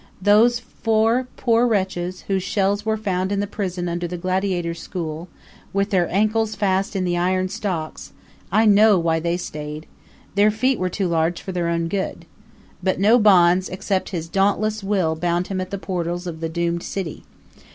Those four poor wretches whose shells were found in the prison under the gladiators' school, with their ankles fast in the iron stocks I know why they stayed. Their feet were too large for their own good. But no bonds except his dauntless will bound him at the portals of the doomed city.